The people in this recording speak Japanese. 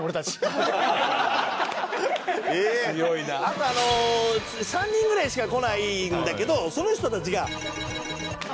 あと３人ぐらいしか来ないんだけどその人たちが。